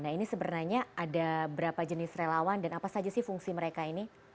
nah ini sebenarnya ada berapa jenis relawan dan apa saja sih fungsi mereka ini